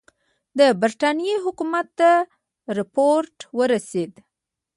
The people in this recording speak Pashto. د برټانیې حکومت ته رپوټ ورسېد.